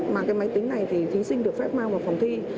mà cái máy tính này thì thí sinh được phép mang vào phòng thi